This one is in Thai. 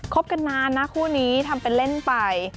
บกันนานนะคู่นี้ทำเป็นเล่นไป